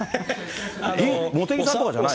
茂木さんとかじゃないの？